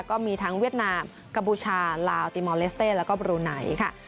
ก็มีทั้งเวียดนามกัมพูชาลาวติมอลเลสเต้แล้วก็บรูไนค่ะ